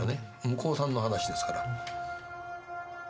向こうさんの話ですから。